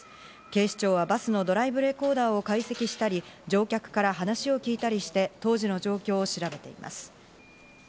警視庁はバスのドライブレコーダーを解析したり、乗客から話を聞いたりして、当時の状況を調べています。